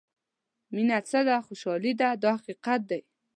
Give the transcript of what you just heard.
مینه څه ده خوشالۍ ده دا حقیقت دی.